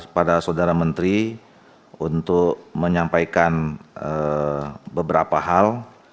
pada saudara menteri untuk menyampaikan beberapa hal